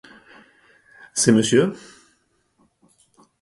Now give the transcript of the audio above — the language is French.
C'est monsieur?